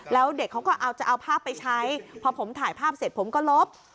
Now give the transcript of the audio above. แล้วเด็กเขาก็เอาจะเอาภาพไปใช้พอผมถ่ายภาพเสร็จผมก็ลบ